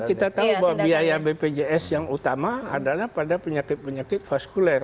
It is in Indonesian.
kita tahu bahwa biaya bpjs yang utama adalah pada penyakit penyakit vaskuler